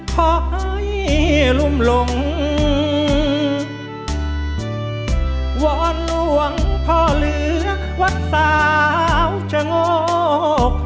ขอให้รุ่มหลงวอนหลวงพ่อเหลือวัดสาวชะโงก